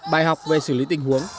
bài học về xử lý tình huống